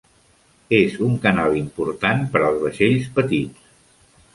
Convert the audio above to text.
És un canal important per als vaixells petits.